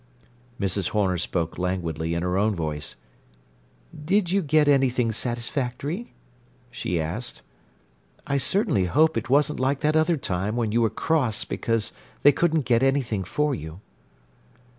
Mrs. Horner spoke languidly in her own voice: "Did you get anything satisfactory?" she asked. "I certainly hope it wasn't like that other time when you was cross because they couldn't get anything for you."